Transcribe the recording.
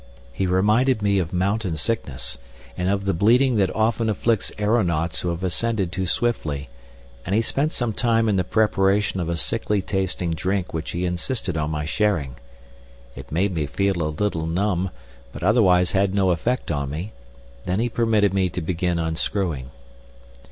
He reminded me of mountain sickness, and of the bleeding that often afflicts aeronauts who have ascended too swiftly, and he spent some time in the preparation of a sickly tasting drink which he insisted on my sharing. It made me feel a little numb, but otherwise had no effect on me. Then he permitted me to begin unscrewing.